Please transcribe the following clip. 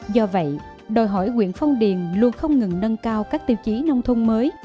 do vậy đòi hỏi huyện phong điền luôn không ngừng nâng cao các tiêu chí nông thôn mới